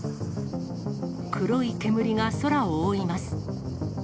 黒い煙が空を覆います。